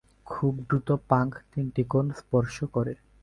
খুব দ্রুত পাংক তিনটি কোণ স্পর্শ করে।